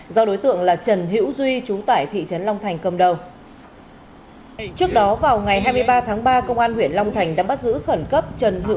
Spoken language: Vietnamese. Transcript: do đối tượng là tòa án nhân dân tỉnh con tôm